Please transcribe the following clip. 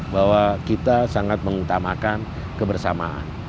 bahwa kita sangat mengutamakan kebersamaan